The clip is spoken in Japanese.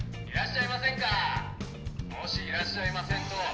いらっしゃいませんか？